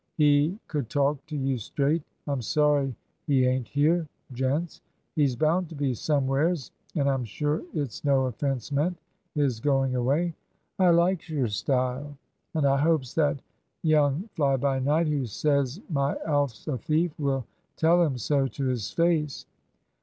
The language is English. He could talk to you straight. I'm sorry he ain't here, gents. He's bound to be somewheres, and I'm sure it's no offence meant, his going away. I likes your style, and I hopes that young fly by night who says my Alf's a thief will tell him so to his face.